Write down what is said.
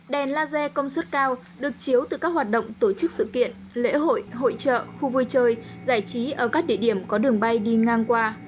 đèn laser công suất cao được chiếu từ các hoạt động tổ chức sự kiện lễ hội hội trợ khu vui chơi giải trí ở các địa điểm có đường bay đi ngang qua